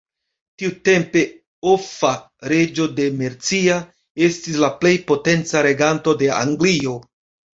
Tiutempe Offa, reĝo de Mercia, estis la plej potenca reganto de Anglio.